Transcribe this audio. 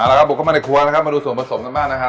เอาล่ะครับบุกเข้ามาในครัวแล้วครับมาดูส่วนผสมกันมากนะคะ